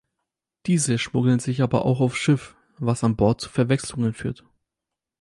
Diese schmuggeln sich aber auch aufs Schiff, was an Bord zu Verwechslungen führt.